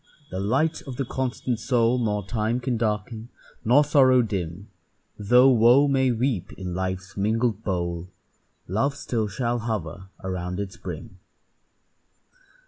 the light of the constant soul Nor time can darken nor sorrow dim; Though wo may weep in life's mingled bowl, Love still shall hover around its brim.